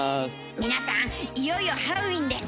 皆さんいよいよハロウィーンです。